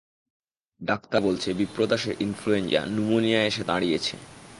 ডাক্তাররা বলছে বিপ্রদাসের ইনফ্লুয়েঞ্জা ন্যুমোনিয়ায় এসে দাঁড়িয়েছে।